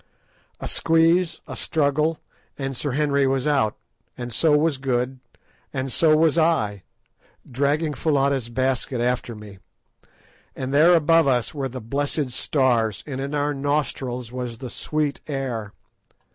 A squeeze, a struggle, and Sir Henry was out, and so was Good, and so was I, dragging Foulata's basket after me; and there above us were the blessed stars, and in our nostrils was the sweet air.